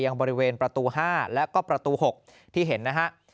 บริเวณประตู๕แล้วก็ประตู๖ที่เห็นนะฮะ